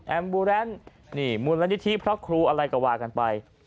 แอมบูแรนด์มูลละนิทิเพราะครูอะไรกว่ากันไป